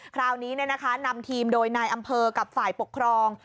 คราวนี้นำทีมโดยนายอำเภอกับฝ่ายปกครอง